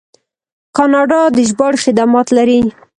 کاناډا د ژباړې خدمات لري.